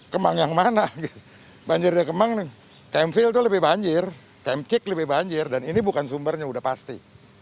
kemang yang mana banjir di kemang kemfil itu lebih banjir kemcik lebih banjir dan ini bukan sumbernya udah pasti